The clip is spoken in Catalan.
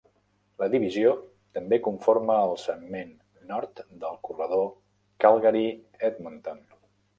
La divisió també conforma el segment nord del corredor Calgary-Edmonton.